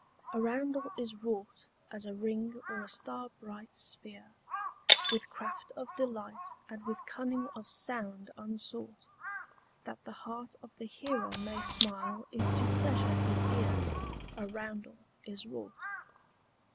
A ROUNDEL is wrought as a ring or a starbright sphere, With craft of delight and with cunning of sound unsought, That the heart of the hearer may smile if to pleasure his ear A roundel is wrought.